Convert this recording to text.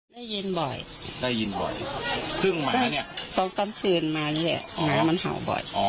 ได้ยินบ่อยได้ยินบ่อยซึ่งมาเนี่ยสองสามคืนมาเนี่ยหมามันเห่าบ่อย